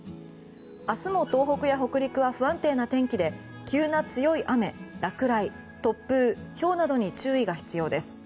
明日も東北や北陸は不安定な天気で急な強い雨、落雷、突風ひょうなどに注意が必要です。